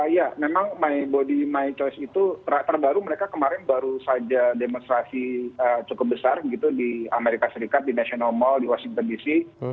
ya memang my body my choice itu terbaru mereka kemarin baru saja demonstrasi cukup besar di amerika serikat di national mall di washington dc